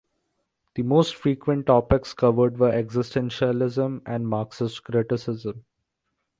The most frequent topics covered were existentialism and Marxist criticism.